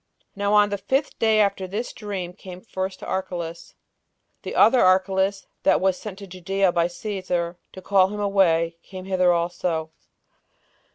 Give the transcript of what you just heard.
Now on the fifth day after this dream came first to Archelaus, the other Archelaus, that was sent to Judea by Cæsar to call him away, came hither also.